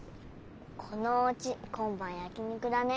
このおうちこんばんやき肉だね。